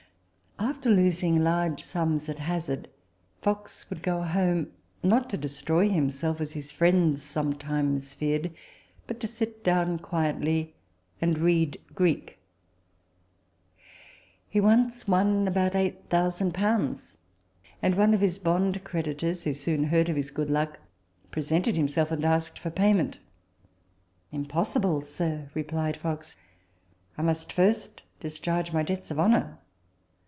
After losing large sums at hazard, Fox would go home not to destroy himself, as his friends sometimes feared, but to sit down quietly, and read Greek. He once won about eight thousand pounds ; and one of his bond creditors, who soon heard of his good luck, presented himself, and asked for payment. " Impossible, sir," replied Fox ; "I must first discharge my debts of honour."